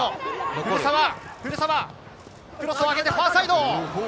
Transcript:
クロスを上げてファーサイド。